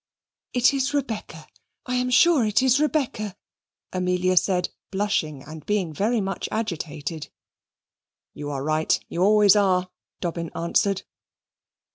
"It is Rebecca, I'm sure it is Rebecca," Amelia said, blushing and being very much agitated. "You are right; you always are," Dobbin answered.